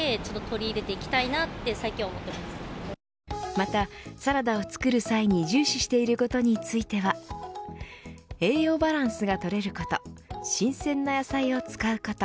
また、サラダを作る際に重視していることについては栄養バランスが取れること新鮮な野菜を使うこと。